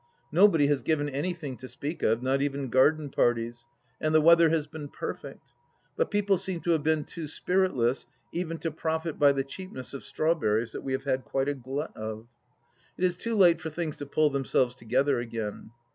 Nobody has given anything to speak of, not even garden parties, and the weather has been perfect. But people seem to have been too spiritless even to profit by the cheapness of straw berries that we have had quite a glut of. It is too late for things to pull themselves together again.